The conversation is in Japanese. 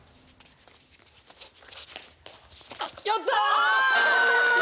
やった！